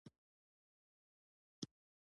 بېنډۍ د سابو پاچا نه ده، خو ښه خوړه ده